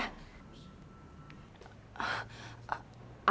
keramean gak ya